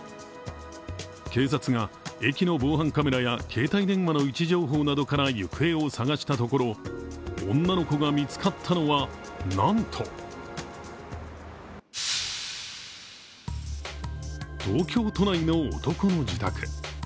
警察が駅の防犯カメラや携帯電話の位置情報などから行方を捜したところ、女の子が見つかったのは、なんと東京都内の男の自宅。